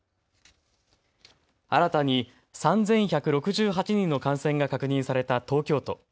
新たに３１６８人の感染が確認された東京都。